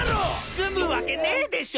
済むわけねえでしょ！